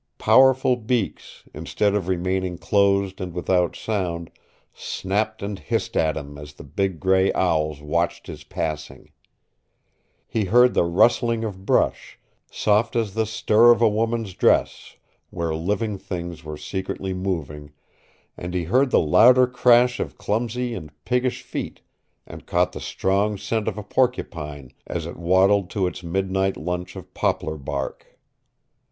Powerful beaks, instead of remaining closed and without sound, snapped and hissed at him as the big gray owls watched his passing. He heard the rustling of brush, soft as the stir of a woman's dress, where living things were secretly moving, and he heard the louder crash of clumsy and piggish feet, and caught the strong scent of a porcupine as it waddled to its midnight lunch of poplar bark.